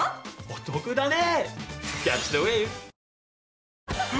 お得だね！